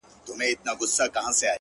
ماته يې په نيمه شپه ژړلي دي،